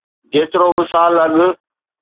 جيترو ٻه سال اڳ.